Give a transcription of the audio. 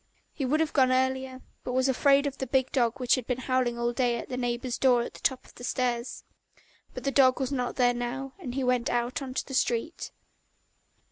He would have gone earlier, but was afraid of the big dog which had been howling all day at the neighbour's door at the top of the stairs. But the dog was not there now, and he went out into the street.